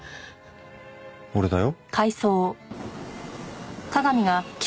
俺だよ。